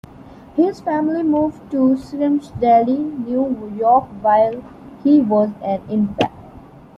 His family moved to Schenectady, New York while he was an infant.